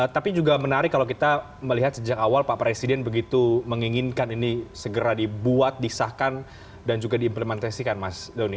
tapi juga menarik kalau kita melihat sejak awal pak presiden begitu menginginkan ini segera dibuat disahkan dan juga diimplementasikan mas doni